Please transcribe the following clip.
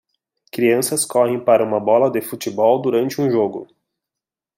Crianças correm para uma bola de futebol durante um jogo.